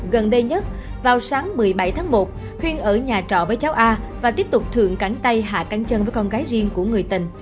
gần đây nhất vào sáng một mươi bảy tháng một huyên ở nhà trọ với cháu a và tiếp tục thượng cắn tay hạ cắn chân với con gái riêng